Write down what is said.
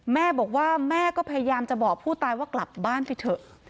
แม่บอกว่าแม่ก็พยายามจะบอกผู้ตายว่ากลับบ้านไปเถอะ